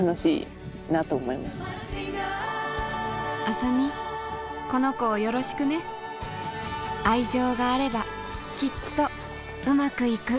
あさみこの子をよろしくね愛情があればきっとウマくいく